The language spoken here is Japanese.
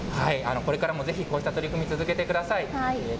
これからもぜひこうした取り組み、続けてください。